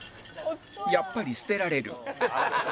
やっぱり捨てられる